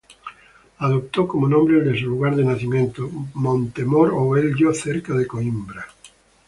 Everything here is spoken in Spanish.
Adoptó como nombre el de su lugar de nacimiento, Montemor-o-Velho, cerca de Coímbra.